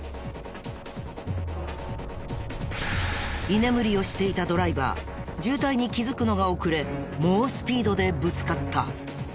居眠りをしていたドライバー渋滞に気づくのが遅れ猛スピードでぶつかった。